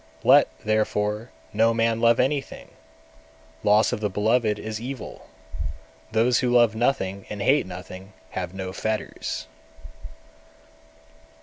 211. Let, therefore, no man love anything; loss of the beloved is evil. Those who love nothing and hate nothing, have no fetters.